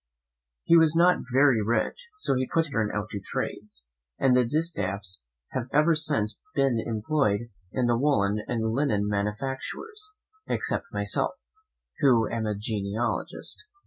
He was not very rich, so he put his children out to trades, and the Distaffs have ever since been employed in the woollen and linen manufactures, except myself, who am a genealogist.